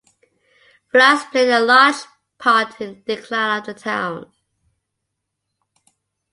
Floods played a large part in the decline of the town.